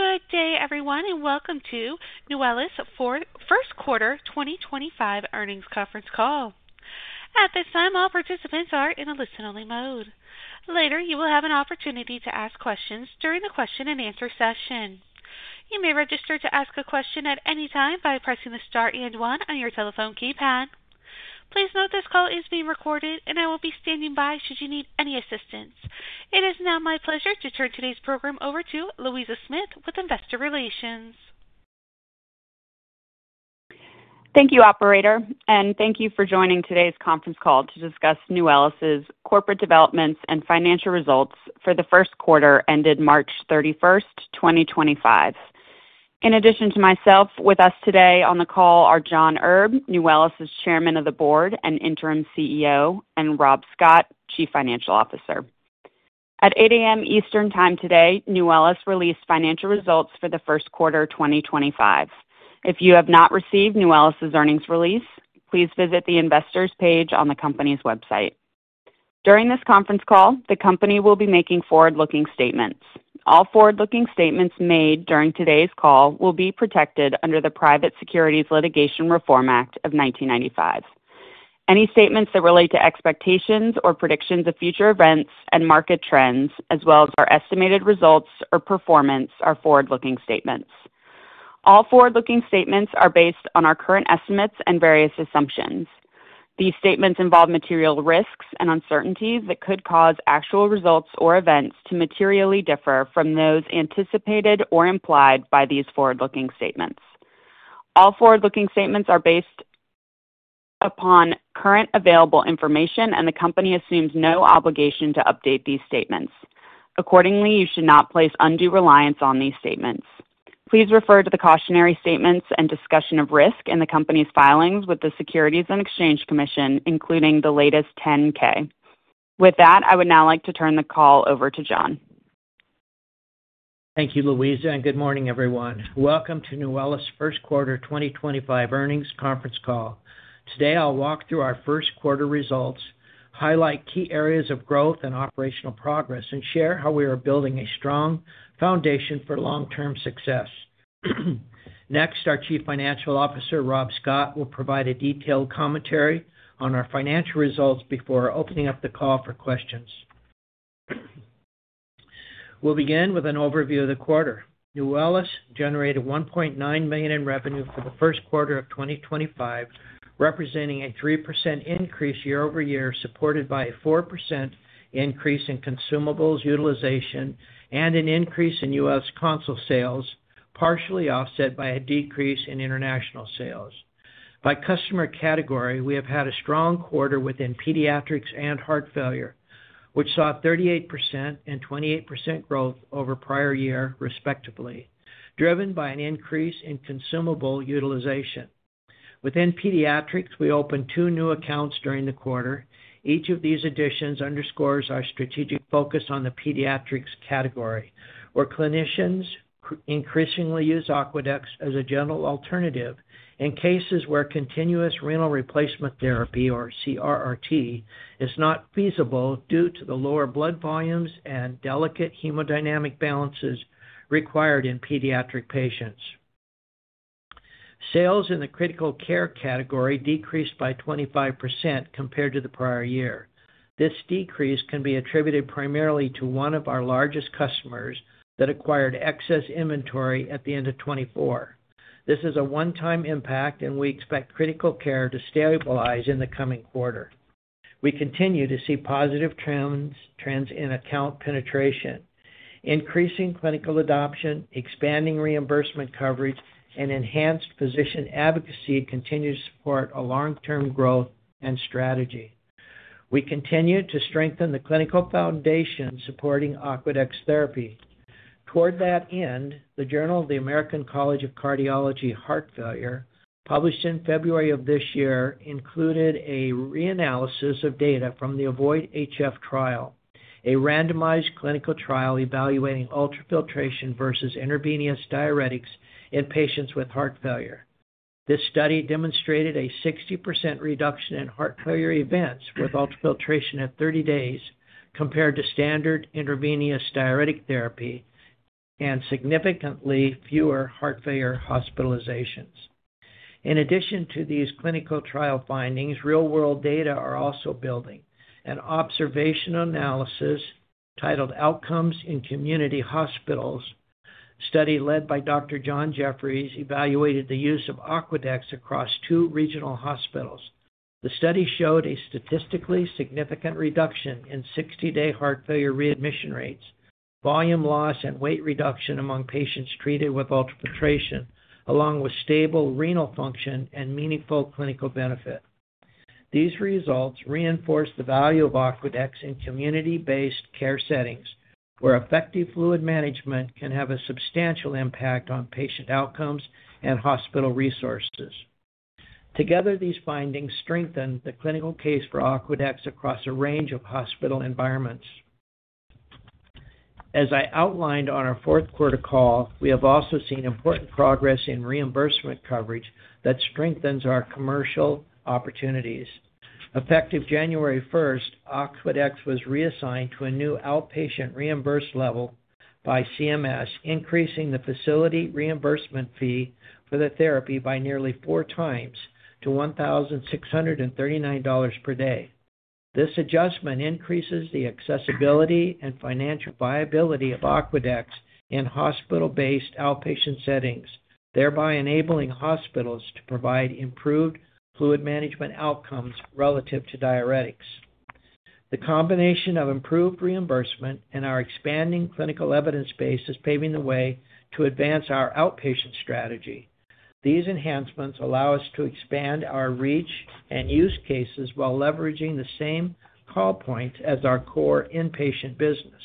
Good day, everyone, and welcome to Nuwellis first quarter 2025 earnings conference call. At this time, all participants are in a listen-only mode. Later, you will have an opportunity to ask questions during the question-and-answer session. You may register to ask a question at any time by pressing the star and one on your telephone keypad. Please note this call is being recorded, and I will be standing by should you need any assistance. It is now my pleasure to turn today's program over to Louisa Smith with Investor Relations. Thank you, Operator, and thank you for joining today's conference call to discuss Nuwellis' corporate developments and financial results for the first quarter ended March 31st, 2025. In addition to myself, with us today on the call are John Erb, Nuwellis' Chairman of the Board and interim CEO, and Rob Scott, Chief Financial Officer. At 8:00 A.M. Eastern Time today, Nuwellis released financial results for the first quarter 2025. If you have not received Nuwellis' earnings release, please visit the investors' page on the company's website. During this conference call, the company will be making forward-looking statements. All forward-looking statements made during today's call will be protected under the Private Securities Litigation Reform Act of 1995. Any statements that relate to expectations or predictions of future events and market trends, as well as our estimated results or performance, are forward-looking statements. All forward-looking statements are based on our current estimates and various assumptions. These statements involve material risks and uncertainties that could cause actual results or events to materially differ from those anticipated or implied by these forward-looking statements. All forward-looking statements are based upon current available information, and the company assumes no obligation to update these statements. Accordingly, you should not place undue reliance on these statements. Please refer to the cautionary statements and discussion of risk in the company's filings with the U.S. Securities and Exchange Commission, including the latest 10-K. With that, I would now like to turn the call over to John. Thank you, Louisa, and good morning, everyone. Welcome to Nuwellis first quarter 2025 earnings conference call. Today, I'll walk through our first quarter results, highlight key areas of growth and operational progress, and share how we are building a strong foundation for long-term success. Next, our Chief Financial Officer, Rob Scott, will provide a detailed commentary on our financial results before opening up the call for questions. We'll begin with an overview of the quarter. Nuwellis generated $1.9 million in revenue for the first quarter of 2025, representing a 3% increase year-over-year, supported by a 4% increase in consumables utilization and an increase in U.S. console sales, partially offset by a decrease in international sales. By customer category, we have had a strong quarter within pediatrics and heart failure, which saw a 38% and 28% growth over prior year, respectively, driven by an increase in consumable utilization. Within pediatrics, we opened two new accounts during the quarter. Each of these additions underscores our strategic focus on the pediatrics category, where clinicians increasingly use Aquadex as a general alternative in cases where continuous renal replacement therapy, or CRRT, is not feasible due to the lower blood volumes and delicate hemodynamic balances required in pediatric patients. Sales in the critical care category decreased by 25% compared to the prior year. This decrease can be attributed primarily to one of our largest customers that acquired excess inventory at the end of 2024. This is a one-time impact, and we expect critical care to stabilize in the coming quarter. We continue to see positive trends in account penetration. Increasing clinical adoption, expanding reimbursement coverage, and enhanced physician advocacy continue to support a long-term growth and strategy. We continue to strengthen the clinical foundation supporting Aquadex therapy. Toward that end, the Journal of the American College of Cardiology Heart Failure, published in February of this year, included a reanalysis of data from the Avoid HF trial, a randomized clinical trial evaluating ultrafiltration versus intravenous diuretics in patients with heart failure. This study demonstrated a 60% reduction in heart failure events with ultrafiltration at 30 days compared to standard intravenous diuretic therapy and significantly fewer heart failure hospitalizations. In addition to these clinical trial findings, real-world data are also building. An observational analysis titled "Outcomes in Community Hospitals" study led by Dr. John Jeffries evaluated the use of Aquadex across two regional hospitals. The study showed a statistically significant reduction in 60-day heart failure readmission rates, volume loss, and weight reduction among patients treated with ultrafiltration, along with stable renal function and meaningful clinical benefit. These results reinforce the value of Aquadex in community-based care settings, where effective fluid management can have a substantial impact on patient outcomes and hospital resources. Together, these findings strengthen the clinical case for Aquadex across a range of hospital environments. As I outlined on our fourth quarter call, we have also seen important progress in reimbursement coverage that strengthens our commercial opportunities. Effective January 1st, Aquadex was reassigned to a new outpatient reimbursed level by CMS, increasing the facility reimbursement fee for the therapy by nearly four times to $1,639 per day. This adjustment increases the accessibility and financial viability of Aquadex in hospital-based outpatient settings, thereby enabling hospitals to provide improved fluid management outcomes relative to diuretics. The combination of improved reimbursement and our expanding clinical evidence base is paving the way to advance our outpatient strategy. These enhancements allow us to expand our reach and use cases while leveraging the same call points as our core inpatient business.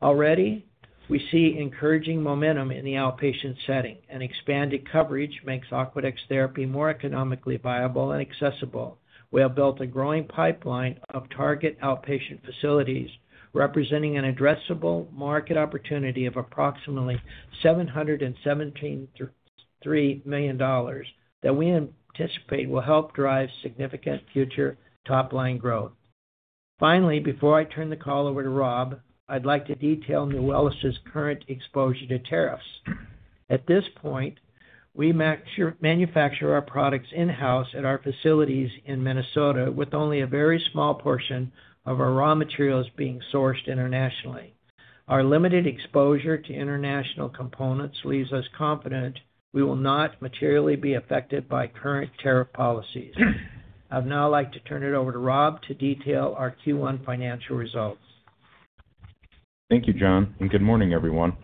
Already, we see encouraging momentum in the outpatient setting, and expanded coverage makes Aquadex therapy more economically viable and accessible. We have built a growing pipeline of target outpatient facilities, representing an addressable market opportunity of approximately $717.3 million that we anticipate will help drive significant future top-line growth. Finally, before I turn the call over to Rob, I'd like to detail Nuwellis' current exposure to tariffs. At this point, we manufacture our products in-house at our facilities in Minnesota, with only a very small portion of our raw materials being sourced internationally. Our limited exposure to international components leaves us confident we will not materially be affected by current tariff policies. I'd now like to turn it over to Rob to detail our Q1 financial results. Thank you, John, and good morning, everyone.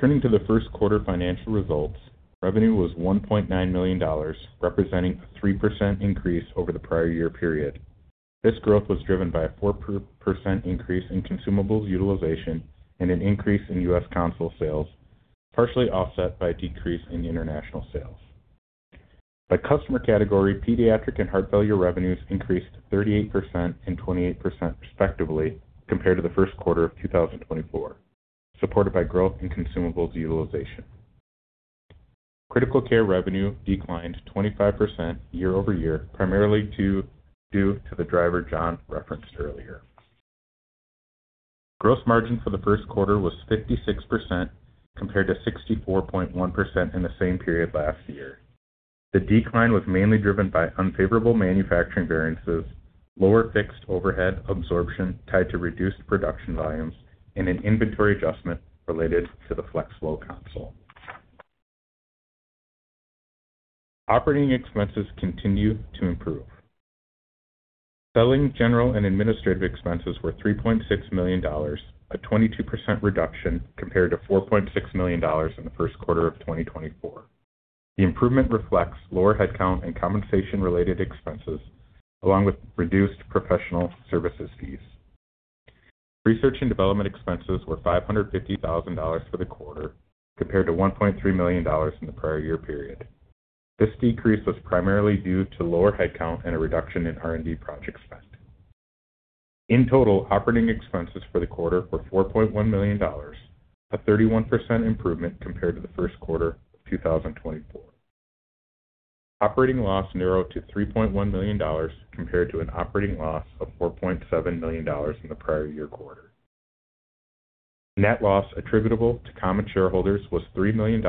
Turning to the first quarter financial results, revenue was $1.9 million, representing a 3% increase over the prior year period. This growth was driven by a 4% increase in consumables utilization and an increase in U.S. console sales, partially offset by a decrease in international sales. By customer category, pediatric and heart failure revenues increased 38% and 28%, respectively, compared to the first quarter of 2024, supported by growth in consumables utilization. Critical care revenue declined 25% year-over-year, primarily due to the driver John referenced earlier. Gross margin for the first quarter was 56%, compared to 64.1% in the same period last year. The decline was mainly driven by unfavorable manufacturing variances, lower fixed overhead absorption tied to reduced production volumes, and an inventory adjustment related to the Flex Flow Console. Operating expenses continue to improve. Selling general and administrative expenses were $3.6 million, a 22% reduction compared to $4.6 million in the first quarter of 2024. The improvement reflects lower headcount and compensation-related expenses, along with reduced professional services fees. Research and development expenses were $550,000 for the quarter, compared to $1.3 million in the prior year period. This decrease was primarily due to lower headcount and a reduction in R&D project spend. In total, operating expenses for the quarter were $4.1 million, a 31% improvement compared to the first quarter of 2024. Operating loss narrowed to $3.1 million compared to an operating loss of $4.7 million in the prior year quarter. Net loss attributable to common shareholders was $3 million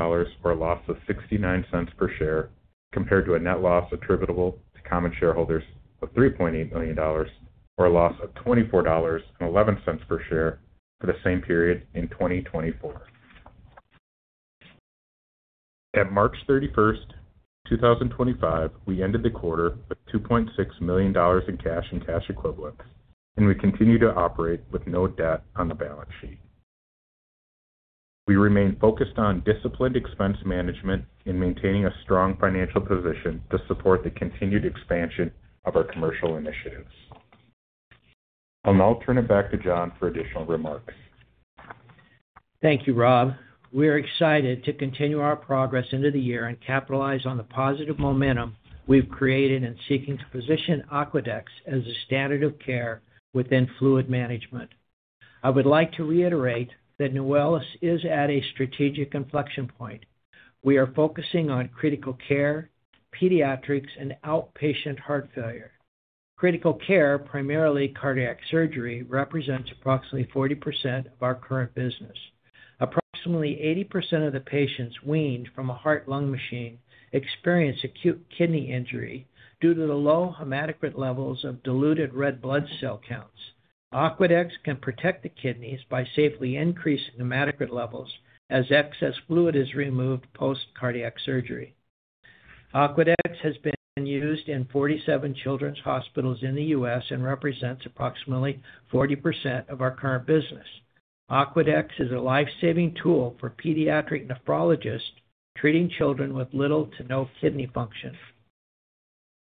for a loss of $0.69 per share, compared to a net loss attributable to common shareholders of $3.8 million, or a loss of $24.11 per share for the same period in 2024. At March 31, 2025, we ended the quarter with $2.6 million in cash and cash equivalents, and we continue to operate with no debt on the balance sheet. We remain focused on disciplined expense management and maintaining a strong financial position to support the continued expansion of our commercial initiatives. I'll now turn it back to John for additional remarks. Thank you, Rob. We're excited to continue our progress into the year and capitalize on the positive momentum we've created in seeking to position Aquadex as a standard of care within fluid management. I would like to reiterate that Nuwellis is at a strategic inflection point. We are focusing on critical care, pediatrics, and outpatient heart failure. Critical care, primarily cardiac surgery, represents approximately 40% of our current business. Approximately 80% of the patients weaned from a heart-lung machine experience acute kidney injury due to the low hematocrit levels of diluted red blood cell counts. Aquadex can protect the kidneys by safely increasing hematocrit levels as excess fluid is removed post-cardiac surgery. Aquadex has been used in 47 children's hospitals in the U.S. and represents approximately 40% of our current business. Aquadex is a lifesaving tool for pediatric nephrologists treating children with little to no kidney function.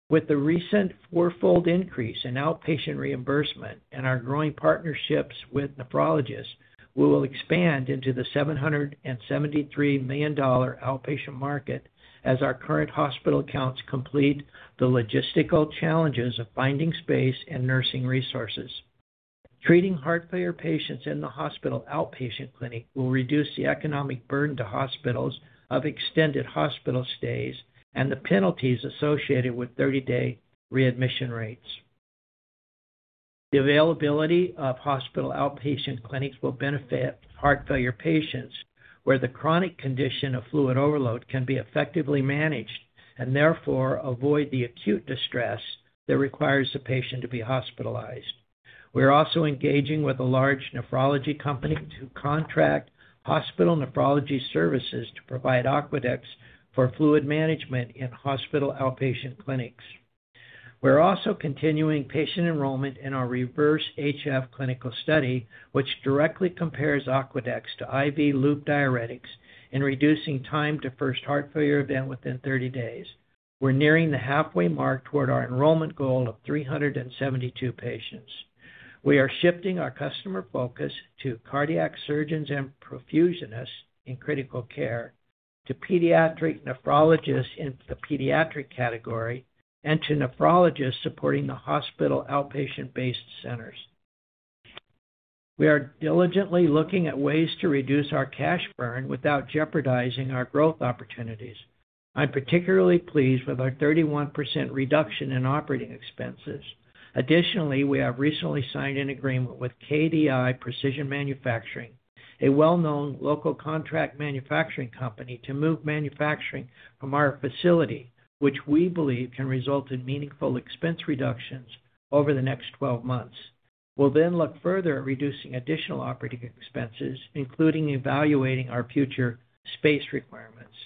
With the recent four-fold increase in outpatient reimbursement and our growing partnerships with nephrologists, we will expand into the $773 million outpatient market as our current hospital counts complete the logistical challenges of finding space and nursing resources. Treating heart failure patients in the hospital outpatient clinic will reduce the economic burden to hospitals of extended hospital stays and the penalties associated with 30-day readmission rates. The availability of hospital outpatient clinics will benefit heart failure patients where the chronic condition of fluid overload can be effectively managed and therefore avoid the acute distress that requires the patient to be hospitalized. We're also engaging with a large nephrology company to contract hospital nephrology services to provide Aquadex for fluid management in hospital outpatient clinics. We're also continuing patient enrollment in our REVERSE-HF Clinical Study, which directly compares Aquadex to IV loop diuretics in reducing time to first heart failure event within 30 days. We're nearing the halfway mark toward our enrollment goal of 372 patients. We are shifting our customer focus to cardiac surgeons and perfusionists in critical care, to pediatric nephrologists in the pediatric category, and to nephrologists supporting the hospital outpatient-based centers. We are diligently looking at ways to reduce our cash burn without jeopardizing our growth opportunities. I'm particularly pleased with our 31% reduction in operating expenses. Additionally, we have recently signed an agreement with KDI Precision Manufacturing, a well-known local contract manufacturing company, to move manufacturing from our facility, which we believe can result in meaningful expense reductions over the next 12 months. We'll then look further at reducing additional operating expenses, including evaluating our future space requirements.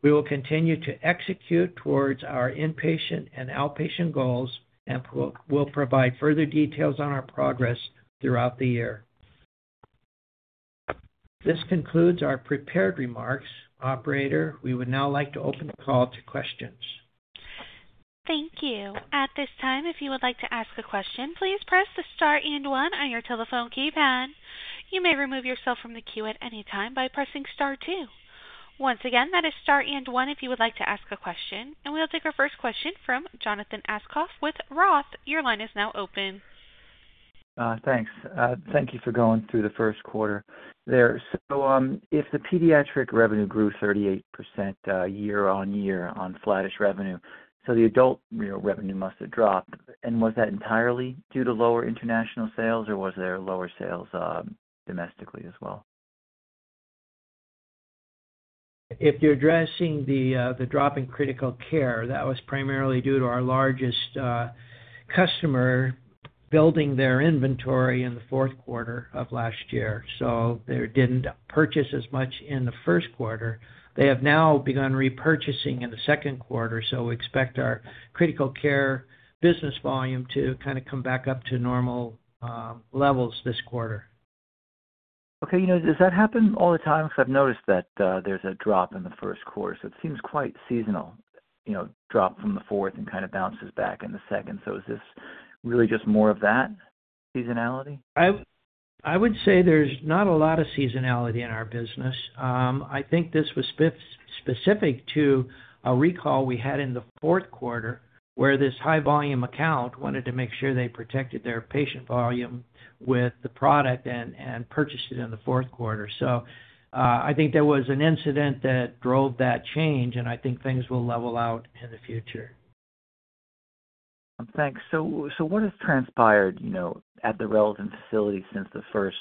We will continue to execute towards our inpatient and outpatient goals and will provide further details on our progress throughout the year. This concludes our prepared remarks. Operator, we would now like to open the call to questions. Thank you. At this time, if you would like to ask a question, please press the star and one on your telephone keypad. You may remove yourself from the queue at any time by pressing star two. Once again, that is star and one if you would like to ask a question. We will take our first question from Jonathan Aschoff with ROTH. Your line is now open. Thanks. Thank you for going through the first quarter. If the pediatric revenue grew 38% year-on-year on flat-ish revenue, the adult revenue must have dropped. Was that entirely due to lower international sales, or was there lower sales domestically as well? If you're addressing the drop in critical care, that was primarily due to our largest customer building their inventory in the fourth quarter of last year. They didn't purchase as much in the first quarter. They have now begun repurchasing in the second quarter, so we expect our critical care business volume to kind of come back up to normal levels this quarter. Okay. Does that happen all the time? Because I've noticed that there's a drop in the first quarter. It seems quite seasonal, drop from the fourth and kind of bounces back in the second. Is this really just more of that seasonality? I would say there's not a lot of seasonality in our business. I think this was specific to a recall we had in the fourth quarter where this high-volume account wanted to make sure they protected their patient volume with the product and purchased it in the fourth quarter. I think there was an incident that drove that change, and I think things will level out in the future. Thanks. What has transpired at the relevant facility since the first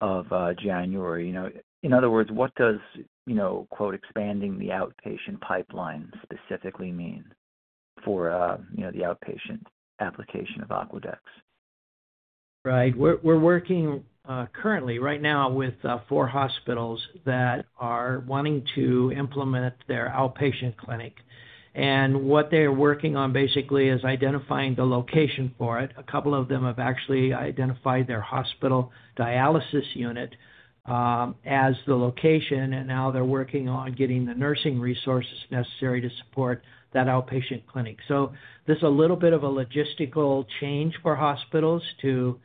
of January? In other words, what does "expanding the outpatient pipeline" specifically mean for the outpatient application of Aquadex? Right. We're working currently, right now, with four hospitals that are wanting to implement their outpatient clinic. What they're working on basically is identifying the location for it. A couple of them have actually identified their hospital dialysis unit as the location, and now they're working on getting the nursing resources necessary to support that outpatient clinic. This is a little bit of a logistical change for hospitals to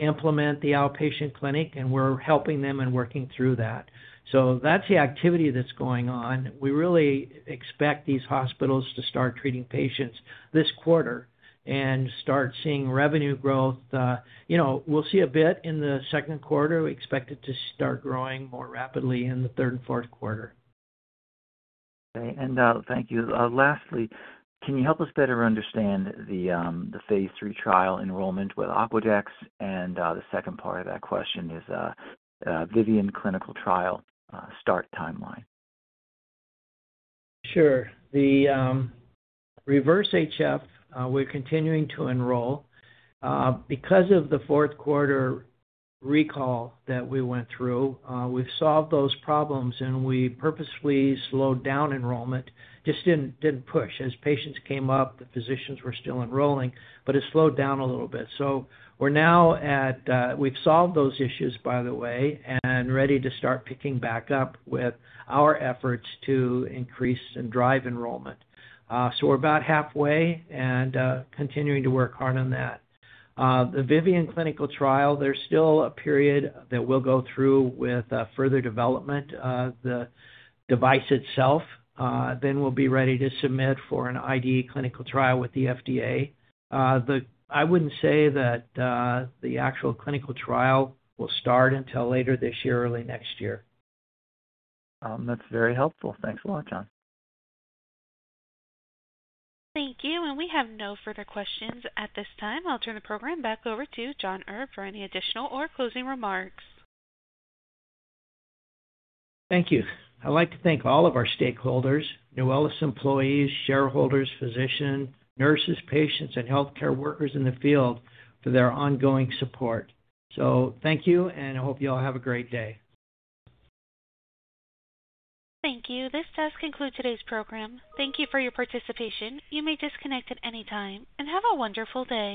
implement the outpatient clinic, and we're helping them and working through that. That's the activity that's going on. We really expect these hospitals to start treating patients this quarter and start seeing revenue growth. We'll see a bit in the second quarter. We expect it to start growing more rapidly in the third and fourth quarter. Okay. Thank you. Lastly, can you help us better understand the phase three trial enrollment with Aquadex? The second part of that question is Vivian Clinical Trial start timeline. Sure. The REVERSE-HF, we're continuing to enroll. Because of the fourth quarter recall that we went through, we've solved those problems, and we purposely slowed down enrollment. Just didn't push. As patients came up, the physicians were still enrolling, but it slowed down a little bit. We're now at we've solved those issues, by the way, and ready to start picking back up with our efforts to increase and drive enrollment. We're about halfway and continuing to work hard on that. The Vivian Clinical Trial, there's still a period that we'll go through with further development of the device itself. Then we'll be ready to submit for an ID clinical trial with the FDA. I wouldn't say that the actual clinical trial will start until later this year, early next year. That's very helpful. Thanks a lot, John. Thank you. We have no further questions at this time. I'll turn the program back over to John Erb for any additional or closing remarks. Thank you. I'd like to thank all of our stakeholders, Nuwellis employees, shareholders, physicians, nurses, patients, and healthcare workers in the field for their ongoing support. Thank you, and I hope you all have a great day. Thank you. This does conclude today's program. Thank you for your participation. You may disconnect at any time. Have a wonderful day.